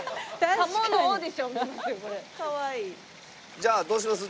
じゃあどうします？